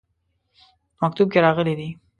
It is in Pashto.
په مکتوب کې راغلي دي.